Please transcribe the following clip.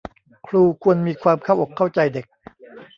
ครูควรมีความเข้าอกเข้าใจเด็ก